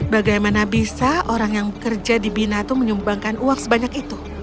bagaimana bisa orang yang kerja di bina itu menyumbangkan uang sebanyak itu